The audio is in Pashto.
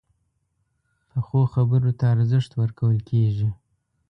پخو خبرو ته ارزښت ورکول کېږي